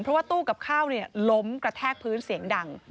เพราะว่าตู้กับข้าวล้มกระแทกพื้นเสียงดัง